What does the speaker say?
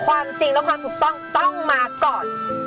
ความจริงและความถูกต้องต้องมาก่อน